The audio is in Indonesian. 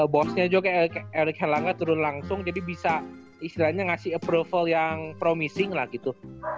bosnya juga erick herlangga turun langsung jadi bisa istilahnya ngasih approval yang promising lah gitu